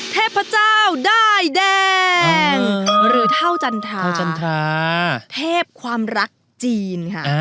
เทพเจ้าด้ายแดงหรือเท่าจันทราเทพความรักจีนค่ะ